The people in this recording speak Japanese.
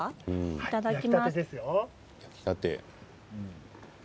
いただきます。